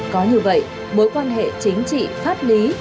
có như vậy mối quan hệ chính trị pháp lý